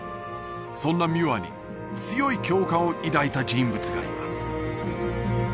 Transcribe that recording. そんなミューアに強い共感を抱いた人物がいます